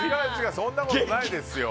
そんなことないですよ。